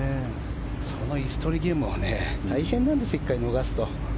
その椅子取りゲームを大変なんですよ、１回逃すと。